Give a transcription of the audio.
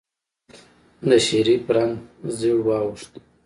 د شريف رنګ زېړ واوښت.